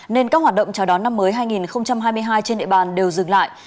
nên các hoạt động chào đón năm mới hai nghìn hai mươi hai trên địa bàn đều dừng lại